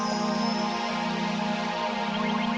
kalian bebas pilih ada di mana